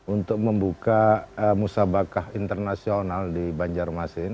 untuk membuka musabakah internasional di banjarmasin